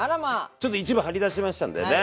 ちょっと一部張り出しましたんでね。